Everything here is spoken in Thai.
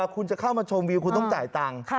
คุณจะเข้ามาชมวิวคุณต้องจ่ายตังค์